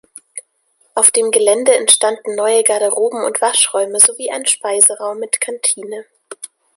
Auf dem Gelände entstanden neue Garderoben- und Waschräume sowie ein Speiseraum mit Kantine.